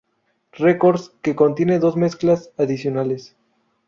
Records, que contiene dos remezclas adicionales.